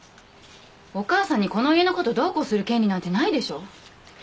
お母さんにこの家のことどうこうする権利なんてないでしょ？